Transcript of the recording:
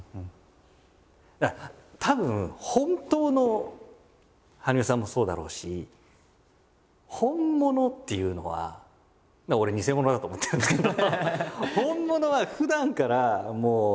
だからたぶん本当の羽生さんもそうだろうし本物っていうのはだから俺偽物だと思ってるんですけど。